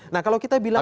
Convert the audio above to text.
nah kalau kita bilang